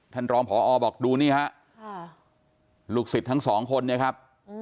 ท่านรองพอบอกดูนี่ฮะลูกศิษย์ทั้งสองคนเนี่ยครับ